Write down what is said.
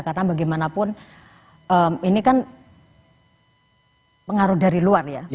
karena bagaimanapun ini kan pengaruh dari luar ya